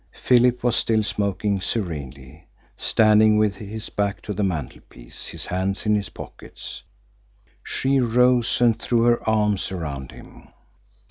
Philip was still smoking serenely, standing with his back to the mantelpiece, his hands in his pockets. She rose and threw her arms around him.